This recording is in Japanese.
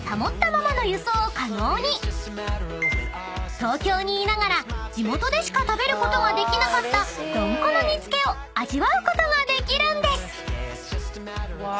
［東京にいながら地元でしか食べることができなかったどんこの煮付けを味わうことができるんです］